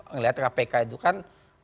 ngelihat kpk itu kan